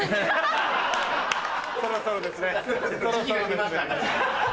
そろそろですね。